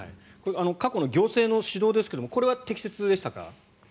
過去の行政の指導ですがこれは適切でしたか？